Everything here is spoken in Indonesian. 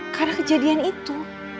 karena kejadian itu